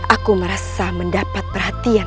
aku merasa mendapat perhatian